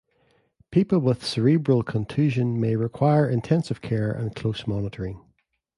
People with cerebral contusion may require intensive care and close monitoring.